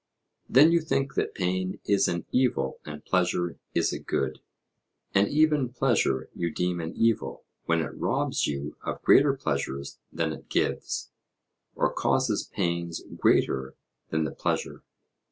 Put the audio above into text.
'Then you think that pain is an evil and pleasure is a good: and even pleasure you deem an evil, when it robs you of greater pleasures than it gives, or causes pains greater than the pleasure.